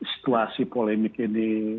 situasi polemik ini